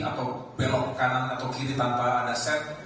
atau belok kanan atau kiri tanpa ada set